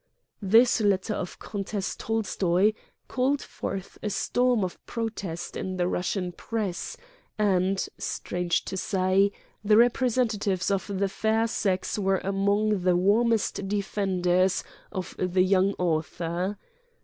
viii Preface This letter of Countess Tolstoy called forth a storm of protest in the Russian press, and, strange to say, the representatives of the fair sex were among the warmest defenders of the young au thor.